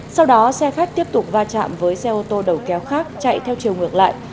sau đó xe khách tiếp tục va chạm với xe ô tô đầu kéo khác chạy theo chiều ngược lại